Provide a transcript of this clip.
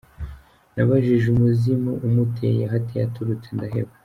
Nibajije umuzimu umuteye aho ateye aturutse ndaheba.